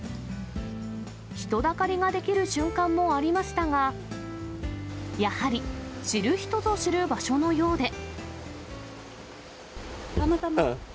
人だかりが出来る瞬間もありましたが、やはり知る人ぞ知る場所のたまたま。